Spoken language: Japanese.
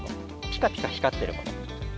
ピカピカ光ってるもの。